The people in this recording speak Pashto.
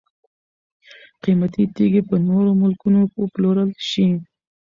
قیمتي تیږي په نورو ملکونو وپلورل شي.